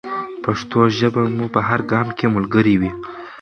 پښتو ژبه مو په هر ګام کې ملګرې وي.